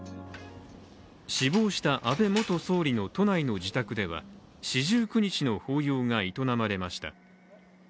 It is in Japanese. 死亡した安倍元総理の都内の自宅では四十九日の法要が営まれました。